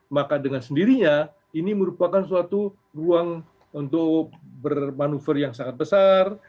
maka dengan sendirinya ini merupakan suatu ruang untuk bermanuver yang sangat besar